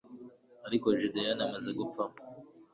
ariko gideyoni amaze gupfa